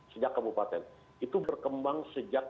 sejak kabupaten itu berkembang sejak